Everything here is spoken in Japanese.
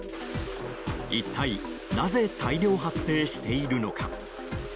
一体なぜ大量発生しているのか。